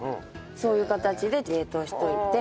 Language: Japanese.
そういう形で冷凍しておいて。